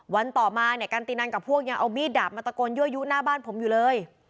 ต่อมาเนี่ยกันตินันกับพวกยังเอามีดดาบมาตะโกนยั่วยุหน้าบ้านผมอยู่เลย